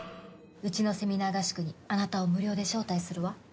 うちのセミナー合宿にあなたを無料で招待するわ。